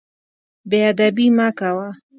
بې ادبي مه کوه.